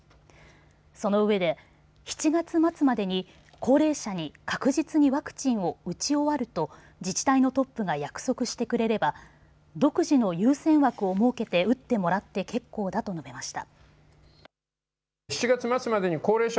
そのうえで７月末までに高齢者に確実にワクチンを打ち終わると自治体のトップが約束してくれれば独自の優先枠を設けて打ってもらって結構だと述べました。